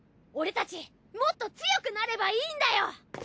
俺たちもっと強くなればいいんだよ。